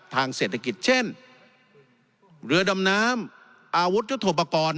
ทางเศรษฐกิจเช่นเรือดำน้ำอาวุธยุทธโปรกรณ์